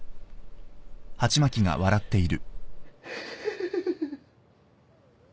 フフフフ。